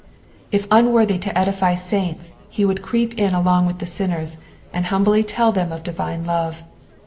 If unworthj to cdifj saiats, lie would creep in along with the ainnerc, and hiimbly tell them of divine love.